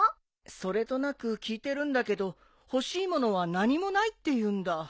それとなく聞いてるんだけど欲しいものは何もないって言うんだ。